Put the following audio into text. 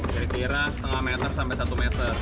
kira kira setengah meter sampai satu meter